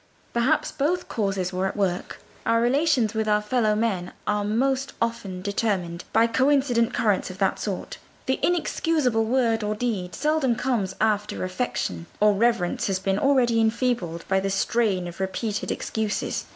Perhaps both causes were at work. Our relations with our fellow men are most often determined by coincident currents of that sort; the inexcusable word or deed seldom comes until after affection or reverence has been already enfeebled by the strain of repeated excuses.